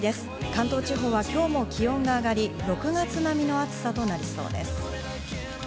関東地方は今日も気温が上がり、６月並みの暑さとなりそうです。